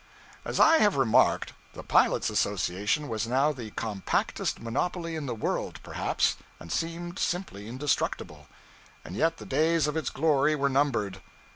As I have remarked, the pilots' association was now the compactest monopoly in the world, perhaps, and seemed simply indestructible. And yet the days of its glory were numbered.